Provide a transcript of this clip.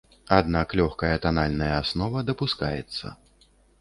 Аднак лёгкая танальная аснова дапускаецца.